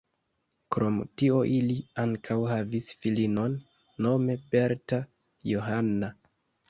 Krom tio ili ankaŭ havis filinon nome Berta Johanna.